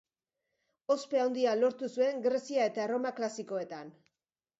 Ospe handia lortu zuen Grezia eta Erroma klasikoetan.